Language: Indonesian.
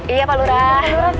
iya pak lurah